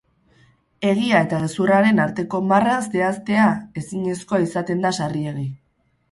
Egia eta gezurraren arteko marra zehaztea ezinezkoa izaten da sarriegi.